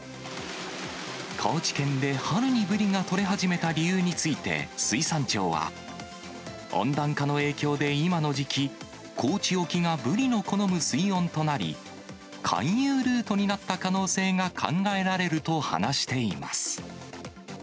高知県で春にブリが取れ始めた理由について、水産庁は、温暖化の影響で今の時期、高知沖がブリの好む水温となり、回遊ルートになった可能性が考えられると話しています。